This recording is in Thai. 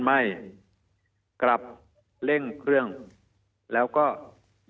มีความรู้สึกว่ามีความรู้สึกว่า